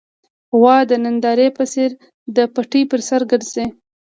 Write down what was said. غوا د نندارې په څېر د پټي پر سر ګرځي.